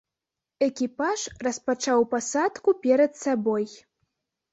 Экіпаж распачаў пасадку перад сабой.